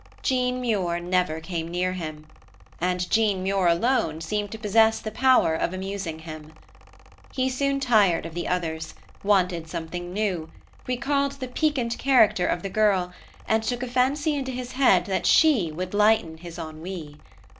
Jean Muir never came near him, and Jean Muir alone seemed to possess the power of amusing him. He soon tired of the others, wanted something new; recalled the piquant character of the girl and took a fancy into his head that she would lighten his ennui.